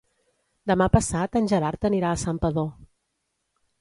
Demà passat en Gerard anirà a Santpedor.